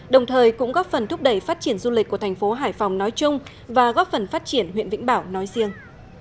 đồng thời cũng góp phần thúc đẩy phát triển du lịch của thành phố hải phòng nói chung và góp phần phát triển huyện vĩnh bảo nói riêng